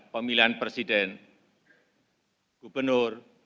pemilihan presiden gubernur